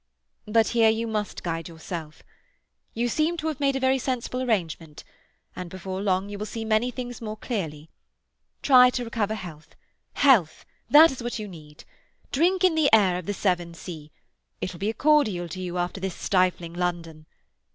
But here you must guide yourself. You seem to have made a very sensible arrangement, and before long you will see many things more clearly. Try to recover health—health; that is what you need. Drink in the air of the Severn Sea; it will be a cordial to you after this stifling London.